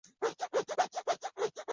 欢迎青年前来参与